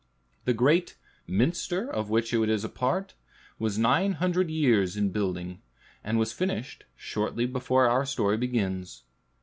The great Minster of which it is a part, was nine hundred years in building, and was finished shortly before our story begins.